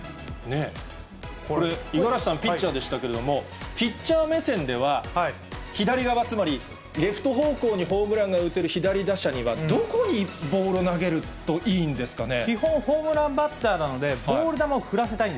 五十嵐さん、ピッチャーでしたけれども、ピッチャー目線では、左側、つまりレフト方向にホームランが打てる左打者にはどこにボールを基本、ホームランバッターなので、ボールを振らせたい。